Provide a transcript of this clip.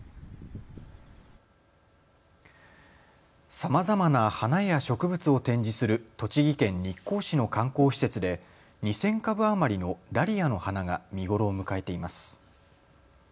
さまざまな花や植物を展示する栃木県日光市の観光施設で２０００株余りのダリアの花が見頃を迎えています。